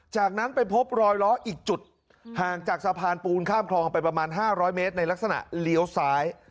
จากนั้นไปพบรอยล้ออีกจุดห่างจากสะพานปูนข้ามคลองไปประมาณ๕๐๐เมตรในลักษณะเลี้ยวซ้าย